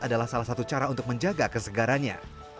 adalah salah satu cara untuk menjaga kesegarannya